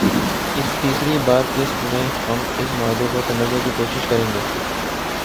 اس تیسری قسط میں ہم اس معاہدے کو سمجھنے کی کوشش کریں گے